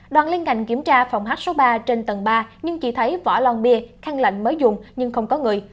đoàn liên ngành kiểm tra phòng h số ba trên tầng ba nhưng chỉ thấy vỏ lon bia khăn lạnh mới dùng nhưng không có người